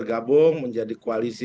bergabung menjadi koalisi